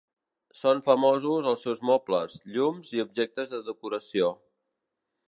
Són famosos els seus mobles, llums i objectes de decoració.